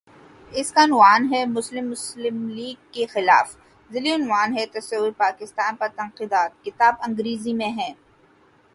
اس کا عنوان ہے:"مسلم مسلم لیگ کے مخالف" ذیلی عنوان ہے:"تصورپاکستان پر تنقیدات" کتاب انگریزی میں ہے۔